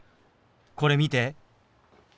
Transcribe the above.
これ見て。